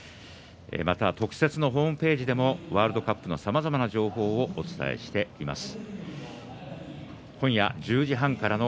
また特設のホームページでもワールドカップの情報をお伝えしています。